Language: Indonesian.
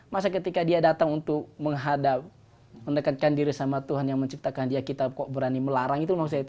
masa ketika dia datang untuk menghadap mendekatkan diri sama tuhan yang menciptakan dia kita kok berani melarang itu